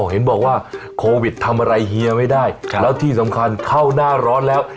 เห็นบอกว่าโควิดทำอะไรเฮียไม่ได้แล้วที่สำคัญเข้าหน้าร้อนแล้ว